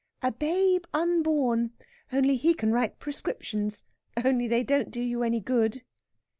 "A babe unborn only he can write prescriptions. Only they don't do you any good.